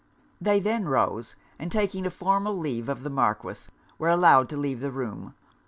They then rose; and taking a formal leave of the Marquis, were allowed to leave the room.